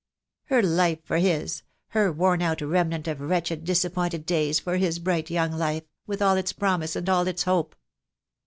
Her life for his, her worn out remnant of wretched, disappointed days for his bright young life, with all its promise and all its hope."